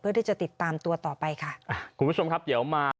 เพื่อที่จะติดตามตัวต่อไปค่ะ